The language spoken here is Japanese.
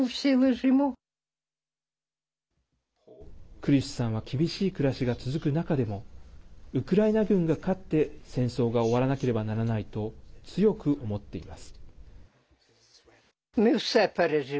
クリシュさんは厳しい暮らしが続く中でもウクライナ軍が勝って戦争が終わらなければならないと強く思っています。